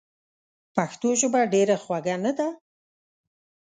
پښتو ژبه ډېره خوږه نده؟!